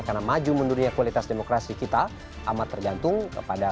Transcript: karena maju menurunnya kualitas demokrasi kita amat tergantung kepada